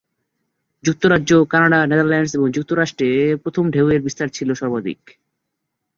যুক্তরাজ্য, Canada, Netherlands এবং যুক্তরাষ্ট্রে প্রথম ঢেউয়ের বিস্তার ছিল সর্বাধিক।